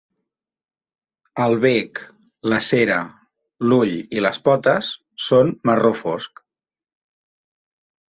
El bec, la cera, l'ull i les potes són marró fosc.